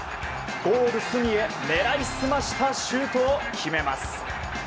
ゴール隅へ狙いすましたシュートを決めます。